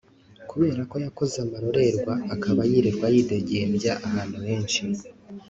Kubera ko yakoze amarorerwa akaba yirirwa yidegembya ahantu henshi